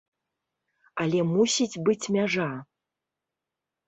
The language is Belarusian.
Але мусіць быць мяжа.